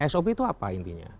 sop itu apa intinya